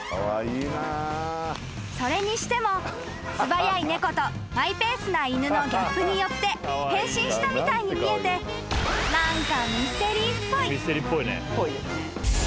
［それにしても素早い猫とマイペースな犬のギャップによって変身したみたいに見えて何か］